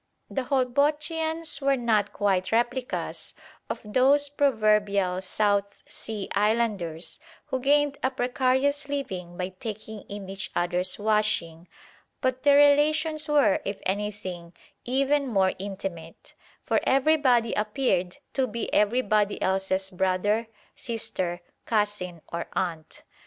The Holbochians were not quite replicas of those proverbial South Sea Islanders who gained a precarious living by taking in each other's washing; but their relations were, if anything, even more intimate; for everybody appeared to be everybody else's brother, sister, cousin or aunt.